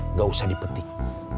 nggak usah dipetik